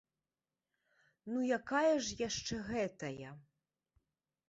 Ну якая ж яшчэ гэтая?